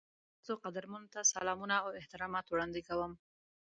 تاسو قدرمنو ته سلامونه او احترامات وړاندې کوم.